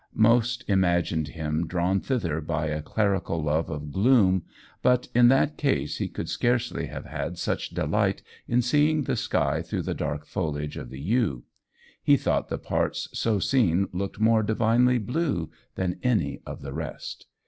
Most imagined him drawn thither by a clerical love of gloom, but in that case he could scarcely have had such delight in seeing the sky through the dark foliage of the yew: he thought the parts so seen looked more divinely blue than any of the rest.